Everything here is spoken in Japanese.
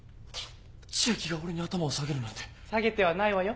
千秋が俺に頭を下げるなんて。下げてはないわよ。